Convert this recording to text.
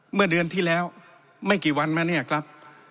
เมื่อเดือนที่แล้วไม่กี่วันมาเนี่ยครับ